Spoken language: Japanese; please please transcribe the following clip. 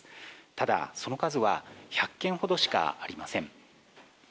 ただ、その数は１００件ほどしかありません。